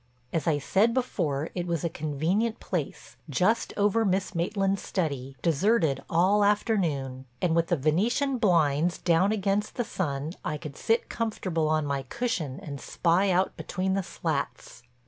As I said before, it was a convenient place, just over Miss Maitland's study, deserted all afternoon, and with the Venetian blinds down against the sun, I could sit comfortable on my cushion and spy out between the slats.